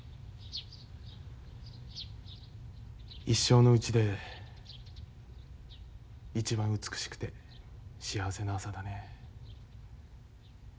一生のうちで一番美しくて幸せな朝だね。